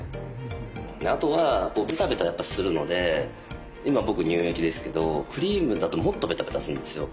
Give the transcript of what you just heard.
あとはベタベタやっぱするので今僕乳液ですけどクリームだともっとベタベタするんですよ。